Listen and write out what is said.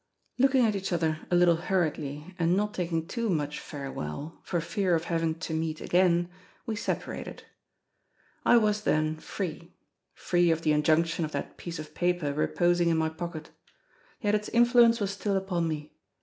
Looking at each, other a little hurriedly, and not taking too much farewell, for fear of having to meet again, we separated. I was, then, free—free of the injunction of that piece of paper reposing in my pocket. Yet its influence was still upon me.